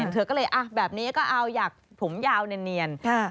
เธอก็เลยแบบนี้ก็เอาอยากผมยาวเนียน